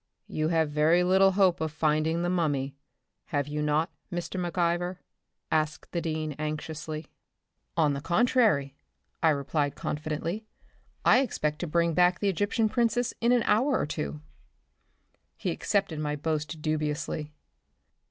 "You have very little hope of finding the mummy, have you not, Mr. McIver?" asked the dean, anxiously. "On the contrary," I replied confidently. "I expect to bring back the Egyptian princess in an hour or two." He accepted my boast dubiously.